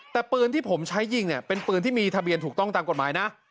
แต่ปืนที่ผมใช้ยิงเนี่ยเป็นปืนที่มีทะเบียนถูกต้องตามกฎหมายนะ